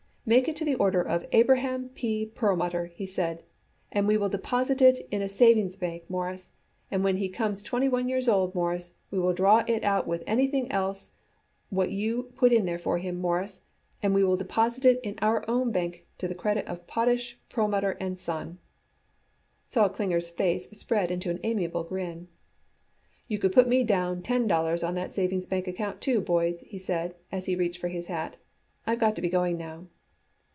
"Make it to the order of Abraham P. Perlmutter," he said, "and we will deposit it in a savings bank, Mawruss, and when he comes twenty one years old, Mawruss, we will draw it out with anything else what you put in there for him, Mawruss, and we will deposit it in our own bank to the credit of Potash, Perlmutter & Son." Sol Klinger's face spread into an amiable grin. "You could put me down ten dollars on that savings bank account, too, boys," he said as he reached for his hat. "I've got to be going now."